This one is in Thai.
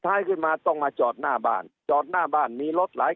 ท้ายขึ้นมาต้องมาจอดหน้าบ้านจอดหน้าบ้านมีรถหลาย